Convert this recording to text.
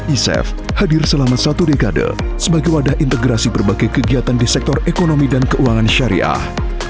isef hadir selama satu dekade sebagai wadah integrasi berbagai kegiatan di sektor ekonomi dan keuangan syariah